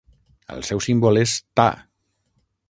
El seu símbol és Ta.